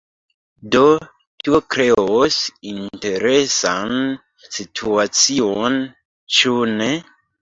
Do, tio kreos interesan situacion, ĉu ne?